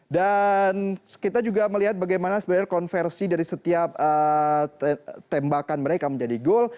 dan kita juga melihat bagaimana sebenarnya konversi dari setiap tembakan mereka menjadi gol